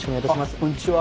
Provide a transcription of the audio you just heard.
こんにちは。